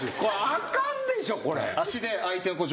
あかんでしょこれ。